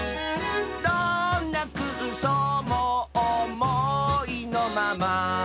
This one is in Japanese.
「どんなくうそうもおもいのまま」